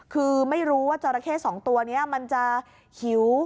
คือไม่รู้ว่าจราเข้สองตัวนี้มันจะหิว